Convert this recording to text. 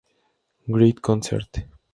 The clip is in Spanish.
Great Concert!